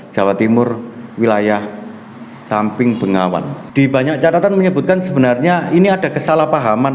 jawa timur wilayah samping bengawan di banyak catatan menyebutkan sebenarnya ini ada kesalahpahaman